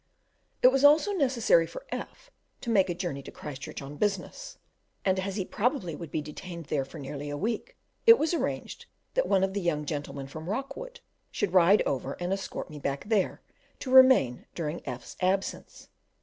It was also necessary for F to make a journey to Christchurch on business, and as he probably would be detained there for nearly a week, it was arranged that one of the young gentlemen from Rockwood should ride over and escort me back there, to remain during F 's absence.